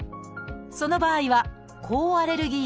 その場合は抗アレルギー薬。